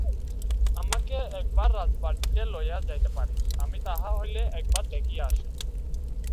আমাকে একবার রাজবাটীতে লইয়া যাইতে পারিস, আমি তাহা হইলে একবার দেখিয়া আসি।